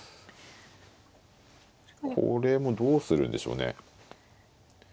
これもどうするんでしょうね。